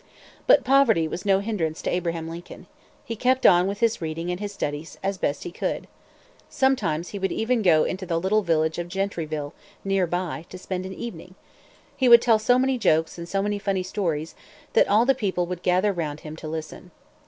But poverty was no hindrance to Abraham Lincoln. He kept on with his reading and his studies as best he could. Sometimes he would go to the little village of Gentryville, near by, to spend an evening. He would tell so many jokes and so many funny stories, that all the people would gather round him to listen.